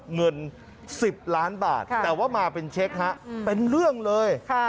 เงิน๑๐ล้านบาทแต่ว่ามาเป็นเช็คฮะเป็นเรื่องเลย